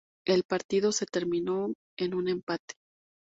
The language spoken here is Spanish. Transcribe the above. El partido se terminó en un empate.